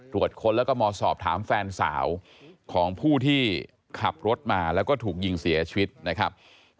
ค้นแล้วก็มาสอบถามแฟนสาวของผู้ที่ขับรถมาแล้วก็ถูกยิงเสียชีวิตนะครับ